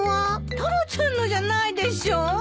タラちゃんのじゃないでしょ。